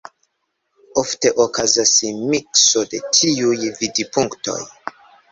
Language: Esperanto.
Ofte okazas mikso de tiuj vidpunktoj.